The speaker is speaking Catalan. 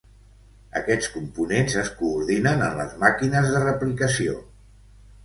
Aquests components es coordinen en les màquines de replicació.